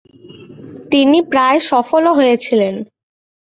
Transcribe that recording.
তিনি প্রায় সফল ও হয়েছিলেন ।